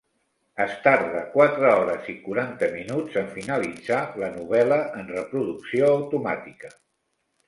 Es tarda quatre hores i quaranta minuts en finalitzar la novel·la en reproducció automàtica.